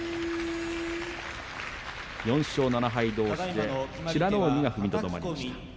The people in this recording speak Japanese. ４勝７敗どうしで美ノ海が踏みとどまりました。